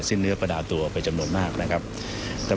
สบายใจแล้ว